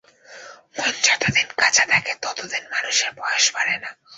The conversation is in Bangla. মন যত দিন কাঁচা থাকে, তত দিন মানুষের বয়স বাড়ে না।